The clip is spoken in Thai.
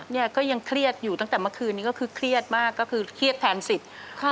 เนี่ยก็ยังเครียดอยู่ตั้งแต่เมื่อคืนนี้ก็คือเครียดมากก็คือเครียดแทนสิทธิ์